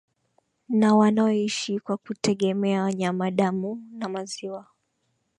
na wanaoishi kwa kutegemea nyama damu na maziwa